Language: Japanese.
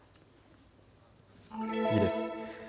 次です。